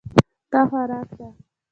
دا خوراک ده.